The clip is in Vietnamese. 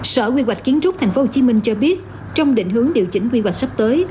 sở quy hoạch kiến trúc tp hcm cho biết trong định hướng điều chỉnh quy hoạch sắp tới